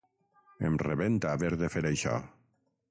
Em rebenta haver de fer això.